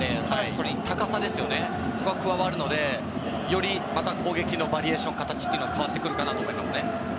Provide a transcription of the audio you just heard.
それに高さが加わるのでよりまた攻撃のバリエーション、形が変わってくるかなと思いますね。